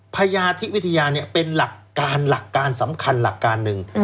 พญาทิวิทยานี่เป็นหลักการสำคัญหนึ่ง